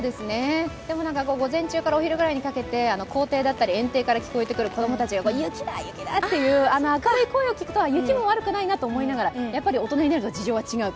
でも、午前中からお昼ぐらいにかけて校庭だったり園庭から聞こえてくる雪だ、雪だというあの明るい声を聞くと雪も悪くないなと思いながら、大人になると事情が違うなと。